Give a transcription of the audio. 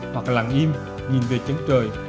hoặc lặng im nhìn về chân trời